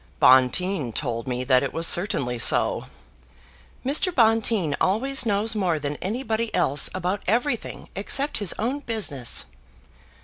"Bonteen told me that it was certainly so." "Mr. Bonteen always knows more than anybody else about everything except his own business."